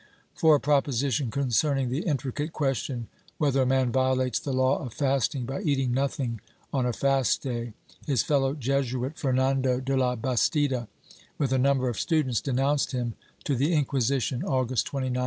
For a proposition concerning the intricate question whether a man violates the law of fasting by eating nothing on a fast day, his fellow Jesuit, Fernando de la Bastida, with a number of students, denounced him to the Inquisition, August 29, 1614.